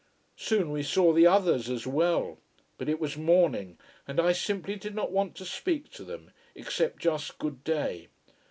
Soon we saw the others as well. But it was morning, and I simply did not want to speak to them except just Good day.